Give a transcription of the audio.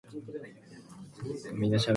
無加工やんまじで